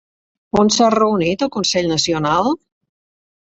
On s'ha reunit el Consell Nacional?